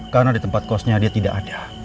karena di tempat kosnya dia tidak ada